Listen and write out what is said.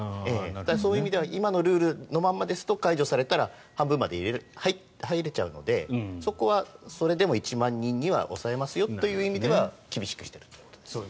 そういう意味では今のルールのままだと解除されたら半分まで入れちゃうのでそこは、それでも１万人には抑えますよという意味では厳しくしていると。